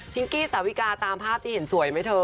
กี้สาวิกาตามภาพที่เห็นสวยไหมเธอ